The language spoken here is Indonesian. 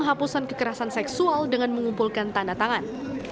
kepala pembangunan kekerasan seksual dengan mengumpulkan tanda tangan